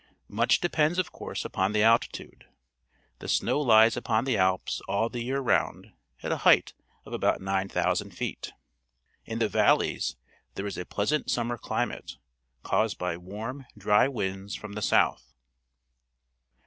Much depends, of course, upon the altitude. The snow hes upon the Alps all the year round at a height of about 9,000 feet. In the valleys there is a pleasant summer climate, caused by warm, dry winds from the south.